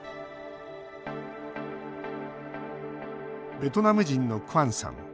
ベトナム人のクアンさん。